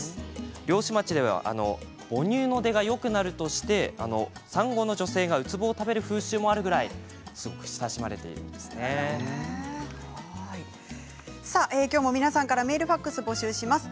漁師町では母乳の出がよくなるとして産後の女性がウツボを食べる風習もあるくらい今日も皆さんからメール、ファックスを募集します。